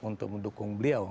untuk mendukung beliau